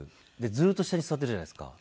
ずーっと下に座ってるじゃないですか。